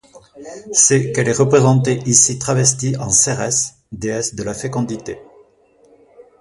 C'est qu'elle est représentée ici travestie en Cérès, déesse de la fécondité.